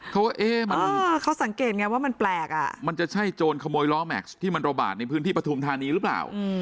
ว่าเขาสังเกตไงว่ามันแปลกอ่ะมันจะใช่โจรขโมยล้อแม็กซ์ที่มันระบาดในพื้นที่ปฐุมธานีหรือเปล่า